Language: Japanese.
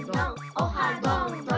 オハどんどん！